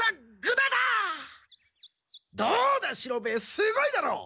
すごいだろう！